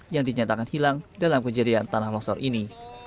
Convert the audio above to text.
yang dinyatakan hilang dalam kejadian tanah longsor ini